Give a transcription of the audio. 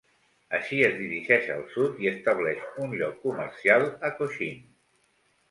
Així es dirigeix al sud i estableix un lloc comercial a Cochin.